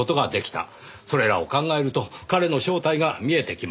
それらを考えると彼の正体が見えてきます。